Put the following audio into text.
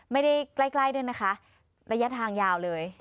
ไม่ได้ใกล้ด้วยนะคะระยะทางยาวเลย